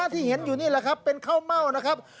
ที่เห็นอยู่นี่แหละครับเป็นข้าวเม่านะครับ